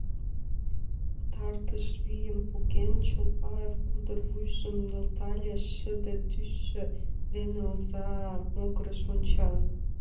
Пытартыш вийым поген, Чолпаев кудыр вуйжым нӧлтале, шыде тӱсшӧ дене оза могырыш онча.